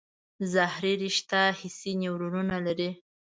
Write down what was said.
ظهري رشته حسي نیورونونه لري.